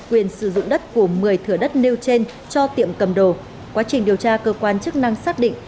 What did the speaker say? quyền sử dụng đất của một mươi thửa đất nêu trên cho tiệm cầm đồ quá trình điều tra cơ quan chức năng xác định